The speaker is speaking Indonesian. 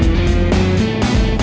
udah bocan mbak